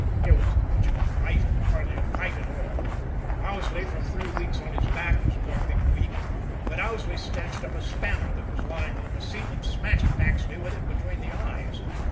It wasn't much of a fight hardly a fight at all Owsley, from three weeks on his back, was dropping weak. But Owsley snatched up a spanner that was lying on the seat, and smashed Paxley with it between the eyes.